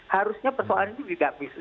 harusnya persoalan ini